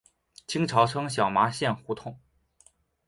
清朝称小麻线胡同。